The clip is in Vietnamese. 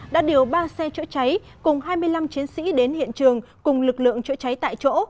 đã điều ba xe chữa cháy cùng hai mươi năm chiến sĩ đến hiện trường cùng lực lượng chữa cháy tại chỗ